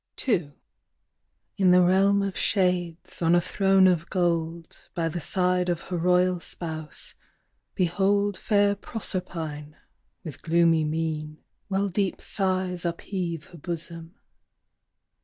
II. In the realm of shades, on a throne of gold, By the side of her royal spouse, behold Fair Proserpine, With gloomy mien, While deep sighs upheave her bosom.